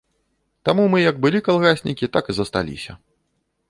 Таму мы як былі калгаснікі, так і засталіся.